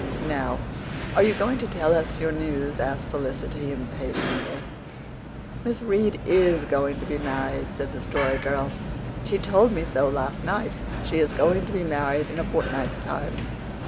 "Now, are you going to tell us your news?" asked Felicity impatiently. "Miss Reade IS going to be married," said the Story Girl. "She told me so last night. She is going to be married in a fortnight's time."